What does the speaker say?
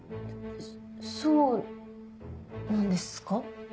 そうなんですか？